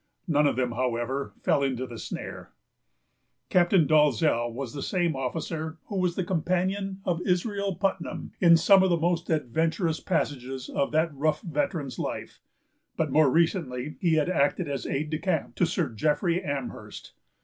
None of them, however, fell into the snare. Captain Dalzell was the same officer who was the companion of Israel Putnam in some of the most adventurous passages of that rough veteran's life; but more recently he had acted as aide de camp to Sir Jeffrey Amherst.